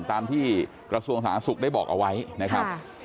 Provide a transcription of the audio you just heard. ตามที่กระทรวงสาธารณสุขได้บอกเอาไว้นะครับ